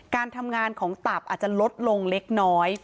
การทำงานของตับอาจจะลดลงเล็กน้อย